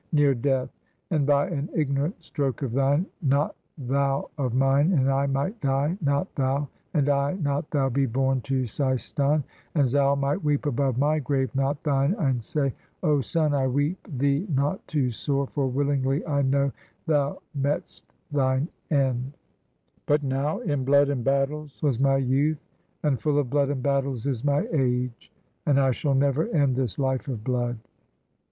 Near death, and by an ignorant stroke of thine, Not thou of mine! and I might die, not thou, And I, not thou, be borne to Seistan; And Zal might weep above my grave, not thine, And say: 0 son, I weep thee not too sore, For willingly, I know, thou mefst thine end f But now in blood and battles was my youth, And full of blood and battles is my age; And I shall never end this Hfe of blood."